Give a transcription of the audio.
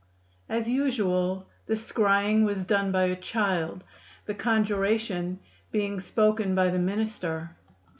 As usual the scrying was done by a child, the conjuration being spoken by the minister.